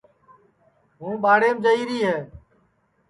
ہوں ٻاڑیم جائیری ہے